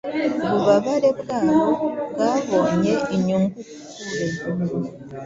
Ububabare bwabo bwabonye inyungukure